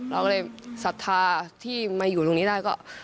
เราก็เลยศรัทธาที่มาอยู่ตรงนี้ได้ก็